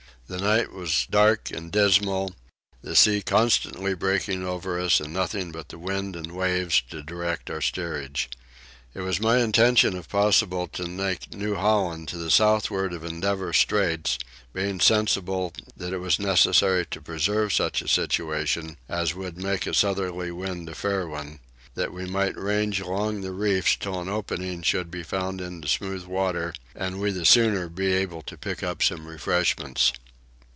The night was dark and dismal: the sea constantly breaking over us and nothing but the wind and waves to direct our steerage. It was my intention if possible to make New Holland to the southward of Endeavour straits, being sensible that it was necessary to preserve such a situation as would make a southerly wind a fair one, that we might range along the reefs till an opening should be found into smooth water, and we the sooner be able to pick up some refreshments.